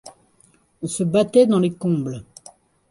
On se battait dans les combles.